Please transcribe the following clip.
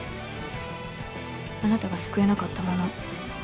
あなたが救えなかったもの